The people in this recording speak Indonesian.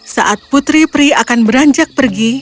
saat putri pri akan beranjak pergi